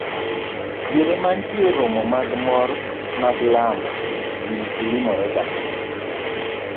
Diere mantie romo mag mor mag lamo, ji limorega